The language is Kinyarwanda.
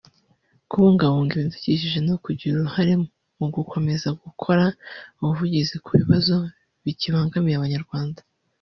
kubungabunga ibidukikije no kugira uruhare mu gukomeza gukora ubuvugizi ku bibazo bikibangamiye Abanyarwanda